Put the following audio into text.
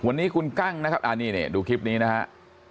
วันนี้คุณกั้งนะครับดูคลิปนี้นะครับ